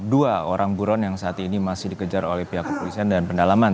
dua orang buron yang saat ini masih dikejar oleh pihak kepolisian dan pendalaman